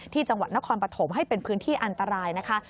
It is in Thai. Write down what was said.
จังหวัดนครปฐมให้เป็นพื้นที่อันตรายนะคะ